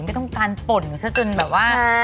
ไม่ต้องการป่นซะจนแบบว่า